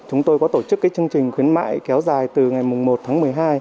chúng tôi có tổ chức chương trình khuyến mại kéo dài từ ngày một tháng một mươi hai